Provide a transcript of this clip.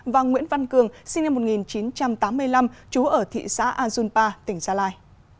và nguyễn văn cường sinh năm một nghìn chín trăm tám mươi năm chú ở thị xã azunpa tỉnh gia lai